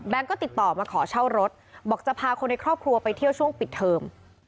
ก็ติดต่อมาขอเช่ารถบอกจะพาคนในครอบครัวไปเที่ยวช่วงปิดเทอม